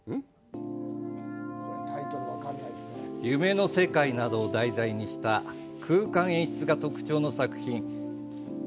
夢の世界などを題材にした空間演出が特徴の作品。